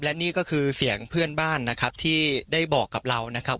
และนี่ก็คือเสียงเพื่อนบ้านนะครับที่ได้บอกกับเรานะครับ